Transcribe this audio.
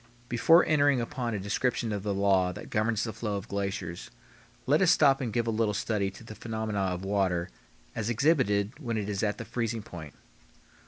Before entering upon a description of the law that governs the flow of glaciers, let us stop and give a little study to the phenomena of water as exhibited when it is at the freezing point.